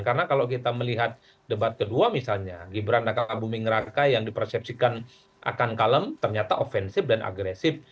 karena kalau kita melihat debat kedua misalnya gibran nakal abu mingrakai yang dipersepsikan akan kalem ternyata ofensif dan agresif